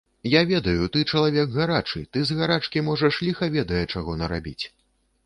Я ведаю, ты чалавек гарачы, ты з гарачкі можаш ліха ведае чаго нарабіць.